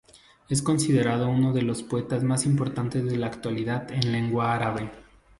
Es considerado uno de los poetas más importantes de la actualidad en lengua árabe.